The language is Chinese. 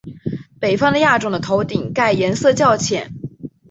北方的亚种的头顶盖颜色较浅。